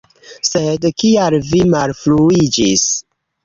Sed kial vi malfruiĝis?